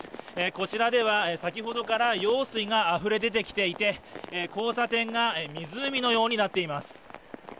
こちらでは、先ほどから用水があふれ出ていて交差点が湖のようになっています。